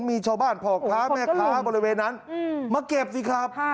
มีชาวบ้านพ่อค้าแม่ค้าบริเวณนั้นมาเก็บสิครับ